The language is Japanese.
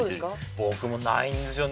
僕もないんですよね